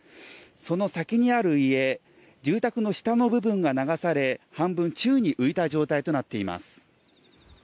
その先にある家住宅の下の部分が流され半分、宙に浮いた状態となっています。